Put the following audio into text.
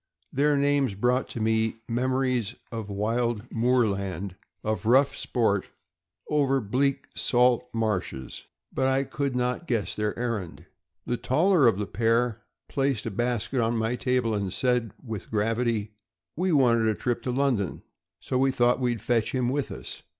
Their names brought to me memories of wild moorland, of rough sport over bleak THE BEDLTNGTON TERRIER. 403 salt marshes; but I could not guess their errand. The taller of the pair placed a basket on my table, and said with gravity: " We wanted a trip to London, so we thought we'd fetch him with us.